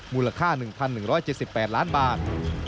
มูลค่า๑๑๗๘ล้านบาท